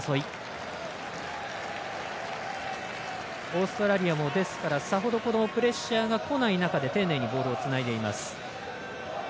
オーストラリアもさほど、プレッシャーがこない中で、丁寧にボールをつないでいます。